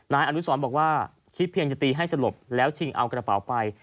นายอนุสรบอกว่าคิดเพียงจะตีให้สลบแล้วชิงเอากระเป๋าไป